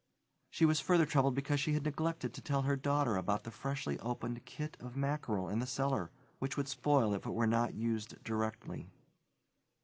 She was further troubled because she had neglected to tell her daughter about the freshly opened kit of mackerel in the cellar, which would spoil if it were not used directly.